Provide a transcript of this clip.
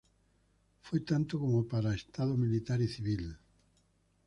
Fue tanto como para estado militar y civil.